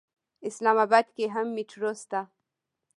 اسلام اباد کې هم میټرو شته.